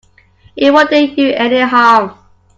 It won't do you any harm.